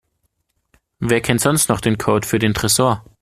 Wer kennt sonst noch den Code für den Tresor?